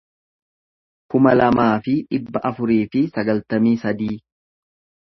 kuma lamaa fi dhibba afurii fi sagaltamii sadii